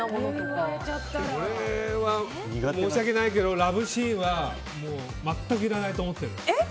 俺は申し訳ないけどラブシーンは全くいらないと思っている。